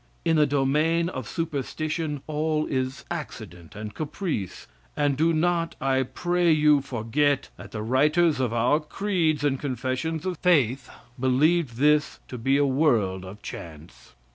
In the domain of superstition all is accident and caprice; and do not, I pray you, forget that the writers of our creeds and confessions of faith believed this to be a world of chance.